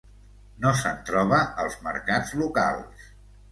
No se'n troba als mercats locals.